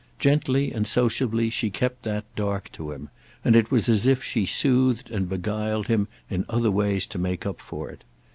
Gently and sociably she kept that dark to him, and it was as if she soothed and beguiled him in other ways to make up for it.